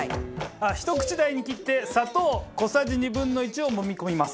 ひと口大に切って砂糖小さじ２分の１をもみ込みます。